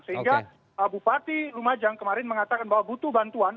sehingga bupati lumajang kemarin mengatakan bahwa butuh bantuan